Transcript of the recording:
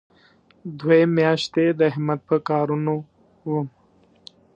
دوې میاشتې د احمد په کارونو وم.